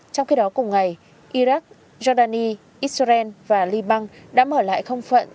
trong khi đó cùng ngày iraq jordani israel và liban đã mở lại không phận